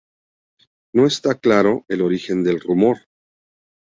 No está claro el origen del rumor.